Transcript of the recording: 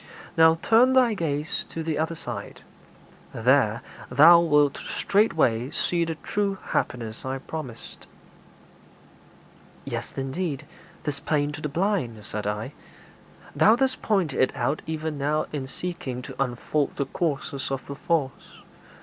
Now turn thy gaze to the other side; there thou wilt straightway see the true happiness I promised.' 'Yea, indeed, 'tis plain to the blind.' said I. 'Thou didst point it out even now in seeking to unfold the causes of the false.